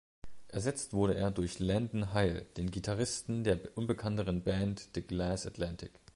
Ersetzt wurde er durch Landon Heil, den Gitarristen der unbekannteren Band "The Glass Atlantic".